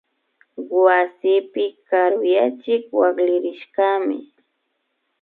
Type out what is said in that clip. Wasipi karuyachik wakllirishkami